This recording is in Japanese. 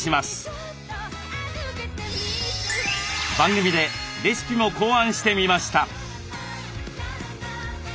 番組でレシピも考案してみました。